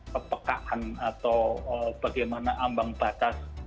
kepekaan atau bagaimana ambang batas